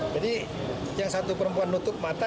jadi yang satu perempuan nutup mata